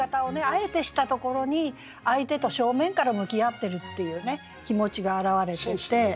あえてしたところに相手と正面から向き合ってるっていう気持ちが表れていて。